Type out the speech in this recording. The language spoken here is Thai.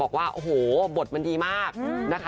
บอกว่าโอ้โหบทมันดีมากนะคะ